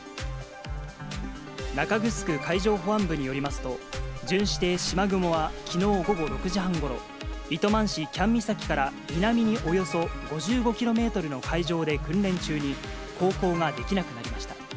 中城海上保安部によりますと、巡視艇しまぐもは、きのう午後６時半ごろ、糸満市喜屋武岬から南におよそ５５キロメートルの海上で訓練中に、航行ができなくなりました。